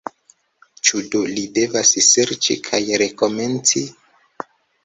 Ĉu do li devas serĉi kaj rekomenci?